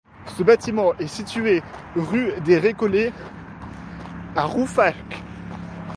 Ce bâtiment est situé rue des Récollets à Rouffach.